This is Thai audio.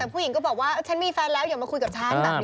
ผู้หญิงก็บอกว่าฉันมีแฟนแล้วอย่ามาคุยกับฉันแบบนี้